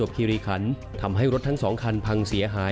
คิริคันทำให้รถทั้งสองคันพังเสียหาย